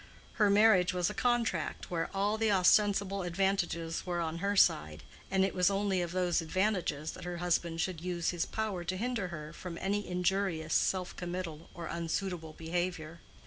Her marriage was a contract where all the ostensible advantages were on her side, and it was only of those advantages that her husband should use his power to hinder her from any injurious self committal or unsuitable behavior.